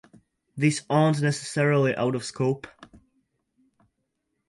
these aren't necessarily out of scope